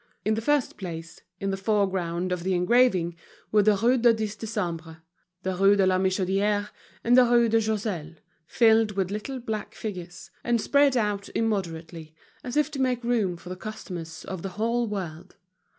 In the first place, in the foreground of the engraving, were the Rue du Dix Décembre, the Rue de la Michodière, and the Rue de Choiseul, filled with little black figures, and spread out immoderately, as if to make room for the customers of the whole world.